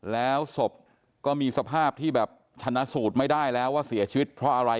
แล้วศพก็มีสภาพที่แบบชนะสูตรไม่ได้แล้วว่าเสียชีวิตเพราะอะไร